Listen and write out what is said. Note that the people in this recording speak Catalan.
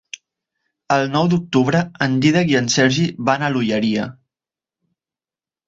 El nou d'octubre en Dídac i en Sergi van a l'Olleria.